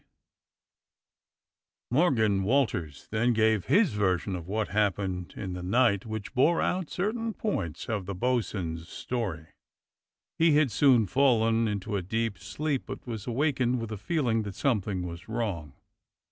THE BO'SUN'S STORY 141 Morgan Walters then gave his version of what hap pened in the night, which bore out certain points of the bo'sun's story. He had soon fallen into a deep sleep, but was awak ened with a feeling that something was wrong.